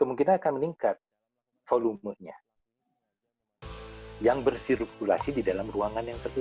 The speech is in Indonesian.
kemungkinan akan meningkat volumenya yang bersirkulasi di dalam ruangan yang tentu